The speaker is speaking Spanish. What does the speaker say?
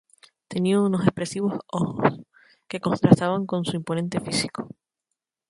Tenía unos expresivos ojos que contrastaban con su imponente físico.